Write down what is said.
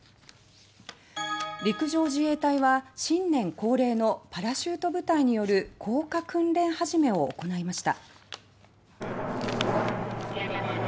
陸上自衛隊は新年恒例のパラシュート部隊による「降下訓練始め」を行いました。